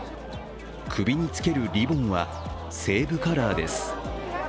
首につけるリボンは、西武カラーです。